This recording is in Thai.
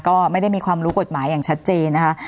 ก็ไม่ได้มีความรู้กฎหมายอย่างชัดเจนนะคะ